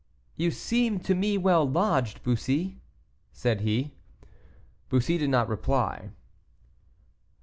"You seem to me well lodged, Bussy," said he. Bussy did not reply.